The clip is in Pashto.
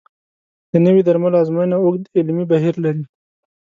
د نوي درملو ازموینه اوږد علمي بهیر لري.